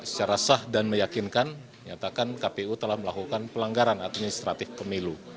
secara sah dan meyakinkan nyatakan kpu telah melakukan pelanggaran administratif pemilu